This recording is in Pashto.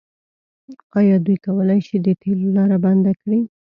آیا دوی کولی شي د تیلو لاره بنده کړي؟